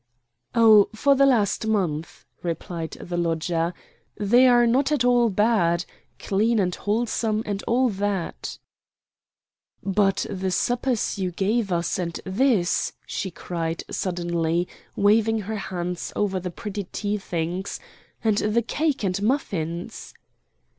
"Oh, for the last month," replied the lodger; "they are not at all bad clean and wholesome and all that." "But the suppers you gave us, and this," she cried, suddenly, waving her hands over the pretty tea things, "and the cake and muffins?"